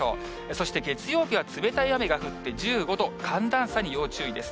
そして月曜日は冷たい雨が降って１５度、寒暖差に要注意です。